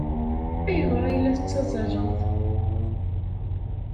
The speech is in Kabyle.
Ayɣer ay la tettazzaleḍ?